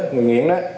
người nghiện đó